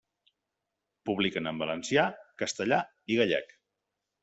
Publiquen en valencià, castellà i gallec.